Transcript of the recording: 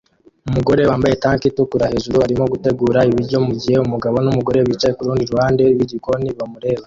Umugore wambaye tank itukura hejuru arimo gutegura ibiryo mugihe umugabo numugore bicaye kurundi ruhande rwigikoni bamureba